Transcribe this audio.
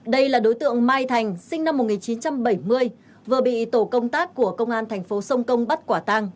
đây là đối tượng mai thành sinh năm một nghìn chín trăm bảy mươi vừa bị tổ công tác của công an thành phố sông công bắt quả tang